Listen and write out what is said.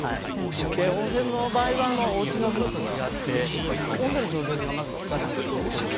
温泉の場合はおうちのお風呂と違って温度の調節がまず利かないですよね。